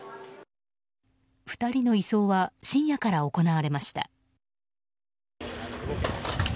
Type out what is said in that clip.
２人の移送は深夜から行われました。